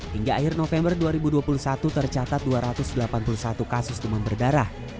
hingga akhir november dua ribu dua puluh satu tercatat dua ratus delapan puluh satu kasus demam berdarah